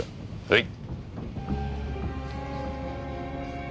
はい。